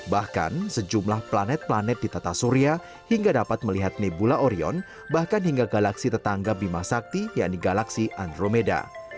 bahkan sejumlah planet planet di tata surya hingga dapat melihat nebula orion bahkan hingga galaksi tetangga bima sakti yakni galaksi andromeda